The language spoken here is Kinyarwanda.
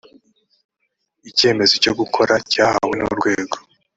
icyemezo cyo gukora cyahawe n urwego